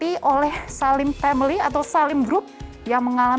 di sini kita bisa lihat bahwa antoni salim adalah seorang perempuan yang berpengalaman